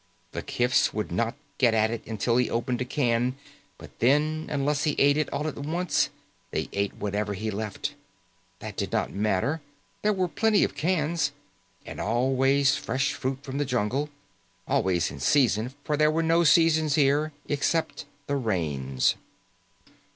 The kifs would not get at it until he opened a can, but then, unless he ate it all at once, they ate whatever he left. That did not matter. There were plenty of cans. And always fresh fruit from the jungle. Always in season, for there were no seasons here, except the rains.